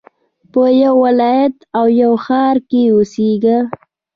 په يوه ولايت او يوه ښار کښي اوسېږه!